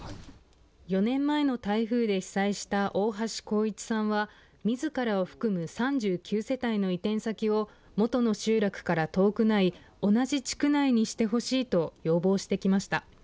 ４年前の台風で被災した大橋光一さんはみずからを含む３９世帯の移転先をもとの集落から遠くない同じ地区内にしてほしいと要望してきました。